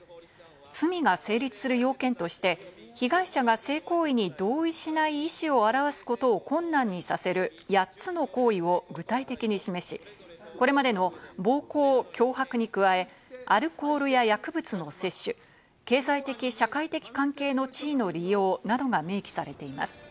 罪が成立する要件として、被害者が性行為に同意しない意思を表すことを困難にさせる８つの行為を具体的に示し、これまでの暴行・脅迫に加え、アルコールや薬物の摂取、経済的・社会的関係の地位の利用などが明記されています。